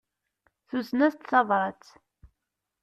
Tuzen-as-d tabrat.